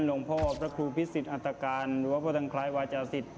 หลวงพ่อพระครูพิสิทธิอัตการหรือว่าพระดังคล้ายวาจาศิษย